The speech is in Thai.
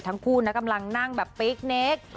ทั้งคู่นะกำลังนั่งแบบปี๊กเนค